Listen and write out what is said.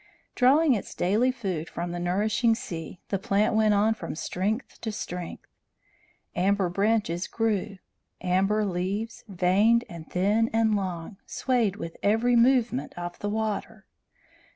Drawing its daily food from the nourishing sea, the plant went on from strength to strength. Amber branches grew; amber leaves, veined and thin and long, swayed with every movement of the water.